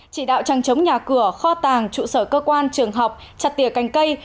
chỉ đạo trang chống nhà cửa kho tàng trụ sở cơ quan trường học chặt tiề cành cây